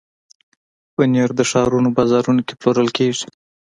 پنېر د ښار بازارونو کې پلورل کېږي.